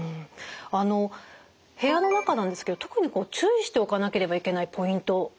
あの部屋の中なんですけど特に注意しておかなければいけないポイントありますか？